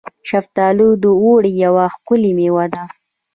شفتالو د اوړي یوه ښکلې میوه ده.